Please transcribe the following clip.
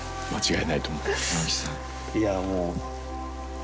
いやもう。